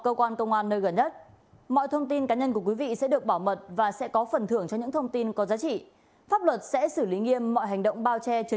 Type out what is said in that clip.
công an huyện đồng phú đề nghị nhân dân trên địa bàn huyện đồng phú